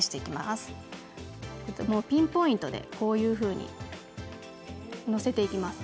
ピンポイントで、こういうふうにのせていきます。